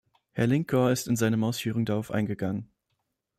Herr Linkohr ist in seinen Ausführungen darauf eingegangen.